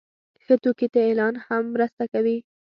ښه توکي ته اعلان هم مرسته کوي.